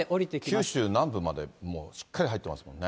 九州南部までもうしっかり入ってますもんね。